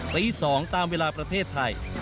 ประอีก๒ตามเวลาประเทศไทย